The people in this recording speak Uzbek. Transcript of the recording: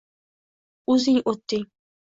O’zing o’tding